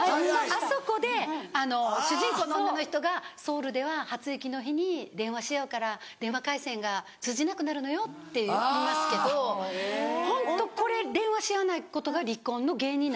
あそこで主人公の女の人がソウルでは初雪の日に電話し合うから電話回線が通じなくなるのよって言いますけどホントこれ電話し合わないことが離婚の原因になるぐらいの。